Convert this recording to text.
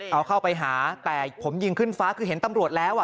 เอาเข้าไปหาแต่ผมยิงขึ้นฟ้าคือเห็นตำรวจแล้ว